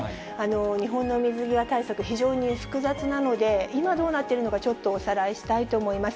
日本の水際対策、非常に複雑なので、今どうなっているのか、ちょっとおさらいしたいと思います。